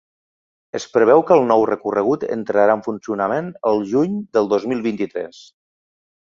Es preveu que el nou recorregut entrarà en funcionament el juny del dos mil vint-i-tres.